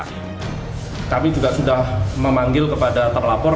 kami juga sudah memanggil kepada terlapor